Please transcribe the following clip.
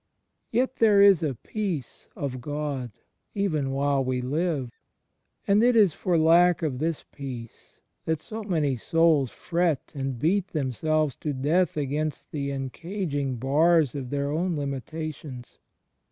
Yet there is a Peace of God even while we live; and it is for lack of this Peace that so many souls fret and CHRIST IN mS mSTOKtCAL LIFE 1 53 beat themselves to Death against the encaging bars of their own limitations.